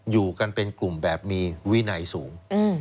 อยู่กันเป็นกลุ่มแบบมีวินัยสูง